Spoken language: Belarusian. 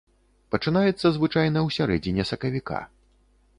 Пачынаецца звычайна ў сярэдзіне сакавіка.